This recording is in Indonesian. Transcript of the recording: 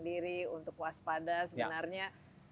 diri untuk waspada sebenarnya